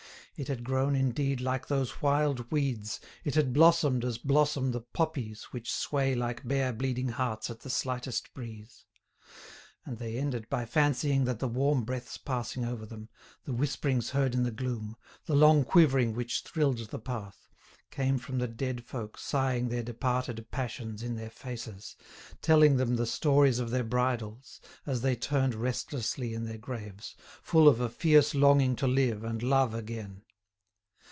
It had grown, indeed, like those wild weeds, it had blossomed as blossom the poppies which sway like bare bleeding hearts at the slightest breeze. And they ended by fancying that the warm breaths passing over them, the whisperings heard in the gloom, the long quivering which thrilled the path, came from the dead folk sighing their departed passions in their faces, telling them the stories of their bridals, as they turned restlessly in their graves, full of a fierce longing to live and love again.